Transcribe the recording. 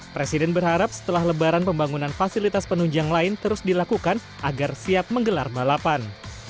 presiden berharap setelah lebaran pembangunan fasilitas penunjang lain terus dilakukan agar siap menggelar balapan